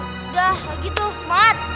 udah lagi tuh semangat